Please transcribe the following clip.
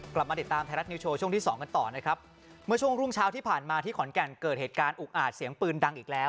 กลับมาติดตามไทยรัฐนิวโชว์ช่วงที่สองกันต่อนะครับเมื่อช่วงรุ่งเช้าที่ผ่านมาที่ขอนแก่นเกิดเหตุการณ์อุกอาจเสียงปืนดังอีกแล้ว